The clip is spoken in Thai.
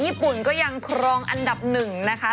ญี่ปุ่นก็ยังครองอันดับหนึ่งนะคะ